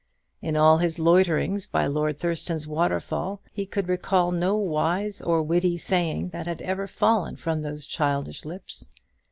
In all his loiterings by Lord Thurston's waterfall, he could recall no wise or witty saying that had ever fallen from those childish lips.